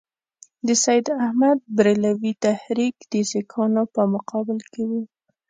د سید احمدبرېلوي تحریک د سیکهانو په مقابل کې وو.